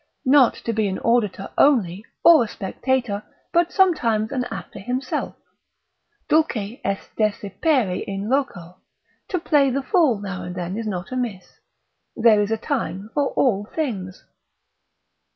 Not to be an auditor only, or a spectator, but sometimes an actor himself. Dulce est desipere in loco, to play the fool now and then is not amiss, there is a time for all things.